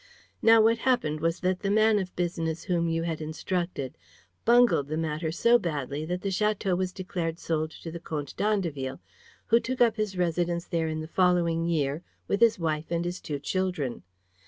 Now what happened was that the man of business whom you had instructed bungled the matter so badly that the château was declared sold to the Comte d'Andeville, who took up his residence there in the following year, with his wife and his two children.